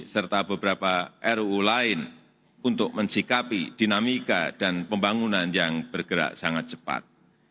serta beberapa ruu lain untuk mensikapi dinamika dan pembangunan yang bergerak sangat cepat